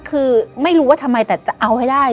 คือไม่รู้ว่าทำไมแต่จะเอาให้ได้